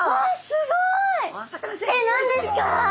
すごい！何ですか？